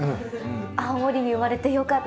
青森に生まれてよかった。